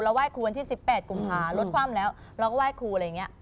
ไหว้ครูวันที่๑๘กุมภารถคว่ำแล้วเราก็ไหว้ครูอะไรอย่างนี้